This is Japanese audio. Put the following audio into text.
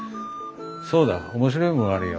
そうだ面白いものがあるよ。